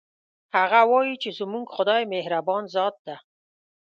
هغه وایي چې زموږ خدایمهربان ذات ده